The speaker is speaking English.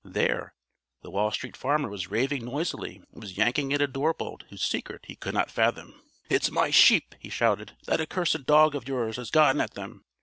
There the Wall Street Farmer was raving noisily and was yanking at a door bolt whose secret he could not fathom. "It's my sheep!" he shouted. "That accursed dog of yours has gotten at them.